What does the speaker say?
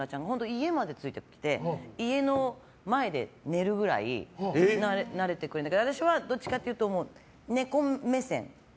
家までついて来て家の前で寝るぐらいなれてくれるんだけど私は、どっちかというとネコ目線。